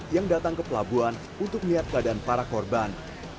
yang datang ke pelabuhan untuk melihat keadaan para korban